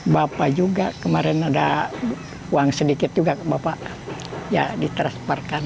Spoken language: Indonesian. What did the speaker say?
bapak juga kemarin ada uang sedikit juga bapak ya ditransferkan